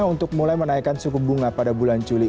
untuk mulai menaikkan suku bunga pada bulan juli